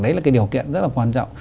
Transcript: đấy là cái điều kiện rất là quan trọng